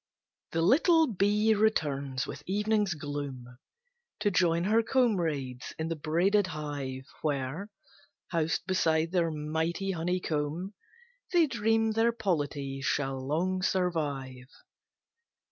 The little bee returns with evening's gloom, To join her comrades in the braided hive, Where, housed beside their mighty honeycomb, They dream their polity shall long survive.